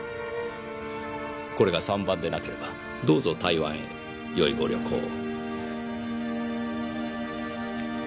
これが３番でなければどうぞ台湾へよいご旅行を。